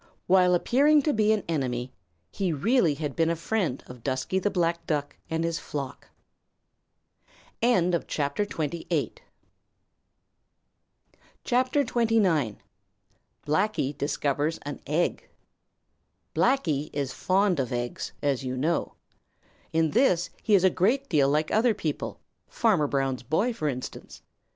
While appearing to be an enemy, he really had been a friend of Dusky the Black Duck and his flock. CHAPTER XXIX: Blacky Discovers An Egg Blacky is fond of eggs, as you know. In this he is a great deal like other people, Farmer Brown's boy for instance.